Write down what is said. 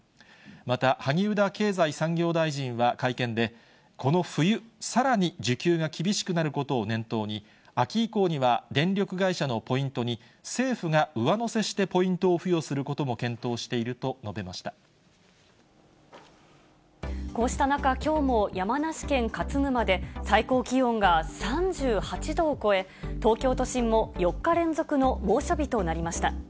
また萩生田経済産業大臣は会見で、この冬、さらに需給が厳しくなることを念頭に、秋以降には電力会社のポイントに、政府が上乗せしてポイントを付与することも検討しているこうした中、きょうも山梨県勝沼で、最高気温が３８度を超え、東京都心も４日連続の猛暑日となりました。